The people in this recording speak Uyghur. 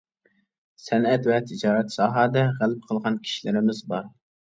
سەنئەت ۋە تىجارەت ساھەدە غەلىبە قىلغان كىشىلىرىمىز بار.